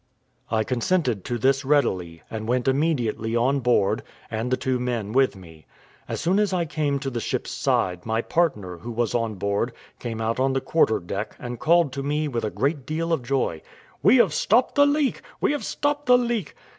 I consented to this readily, and went immediately on board, and the two men with me. As soon as I came to the ship's side, my partner, who was on board, came out on the quarter deck, and called to me, with a great deal of joy, "We have stopped the leak we have stopped the leak!"